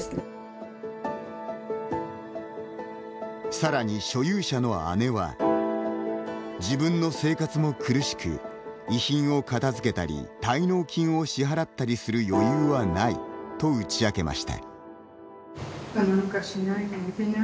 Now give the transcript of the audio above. さらに所有者の姉は「自分の生活も苦しく遺品を片づけたり、滞納金を支払ったりする余裕はない」と打ち明けました。